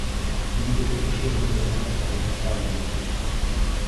Віды фетышызму бясконца разнастайныя.